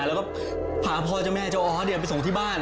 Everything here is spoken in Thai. แล้วก็พาพ่อเจ้าแม่เจ้าออสไปส่งที่บ้าน